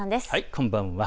こんばんは。